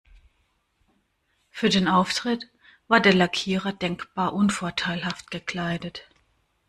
Für den Auftritt war der Lackierer denkbar unvorteilhaft gekleidet.